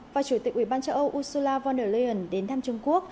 và chủ tịch ub châu âu ursula von der leyen đến thăm trung quốc